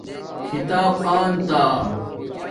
کتاپ آنتا